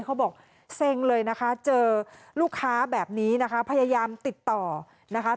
เซ็งเลยนะคะเจอลูกค้าแบบนี้นะคะพยายามติดต่อนะคะ